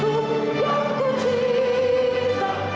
yang ku cinta